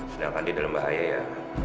sedangkan di dalam bahaya ya